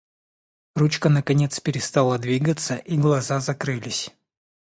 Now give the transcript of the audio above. Ручка наконец перестала двигаться, и глаза закрылись.